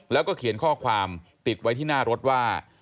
แล้วก็เขียนข้อความติดไว้ที่หน้ารถว่า